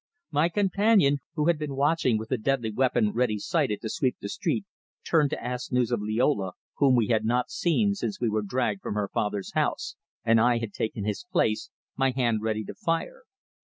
My companion, who had been watching with the deadly weapon ready sighted to sweep the street, turned to ask news of Liola, whom we had not seen since we were dragged from her father's house, and I had taken his place, my hand ready to fire.